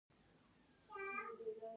آزاد تجارت مهم دی ځکه چې پارکونه جوړوي.